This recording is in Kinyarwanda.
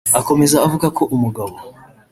Akomeza avuga ko umugabo